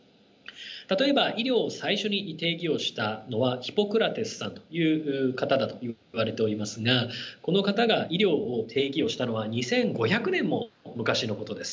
例えば医療を最初に定義をしたのはヒポクラテスさんという方だといわれておりますがこの方が医療を定義をしたのは２，５００年も昔のことです。